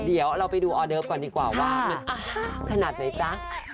เดี๋ยวเราไปดูออเดิฟก่อนดีกว่าว่ามันขนาดไหนจ๊ะ